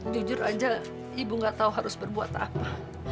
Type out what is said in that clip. jujur aja ibu gak tahu harus berbuat apa